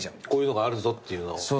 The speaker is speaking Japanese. こういうのがあるぞっていうのを。